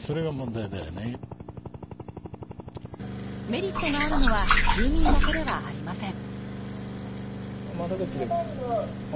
メリットがあるのは住民だけではありません。